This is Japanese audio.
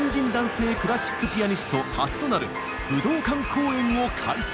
クラシックピアニスト初となる武道館公演を開催。